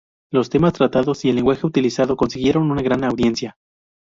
Los temas tratados y el lenguaje utilizado consiguieron una gran audiencia.